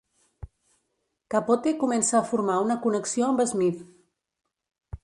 Capote comença a formar una connexió amb Smith.